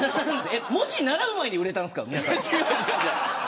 文字習う前に売れたんですか皆さん。